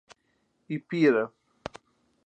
Ipira